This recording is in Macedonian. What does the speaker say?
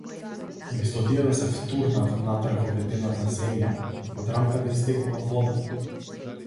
Место тие да се втурнат внатре во ветената земја, од рамката истекува вода.